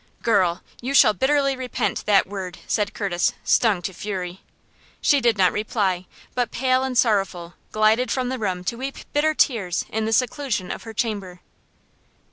"Girl, you shall bitterly repent that word!" said Curtis, stung to fury. She did not reply, but, pale and sorrowful, glided from the room to weep bitter tears in the seclusion of her chamber.